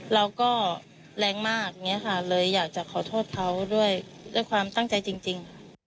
เราก็แรงมากอยากจะขอโทษเขาด้วยความตั้งใจจริง